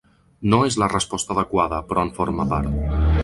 No és la resposta adequada, però en forma part.